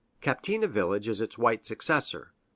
Captina village is its white successor.